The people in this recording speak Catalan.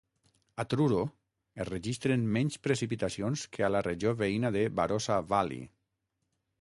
A Truro es registren menys precipitacions que a la regió veïna de Barossa Valley.